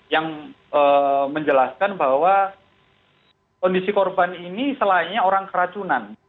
yang menjelaskan bahwa kondisi korban ini selainnya orang keracunan